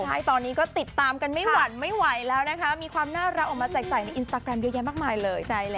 ใช่ตอนนี้ก็ติดตามกันไม่หวั่นไม่ไหวแล้วนะคะมีความน่ารักออกมาแจกจ่ายในอินสตาแกรมเยอะแยะมากมายเลย